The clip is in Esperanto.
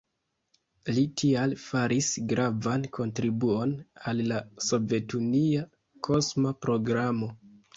Li tial faris gravan kontribuon al la sovetunia kosma programo.